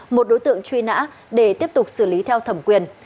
một đối tượng truy nã để tiếp tục xử lý theo thẩm quyền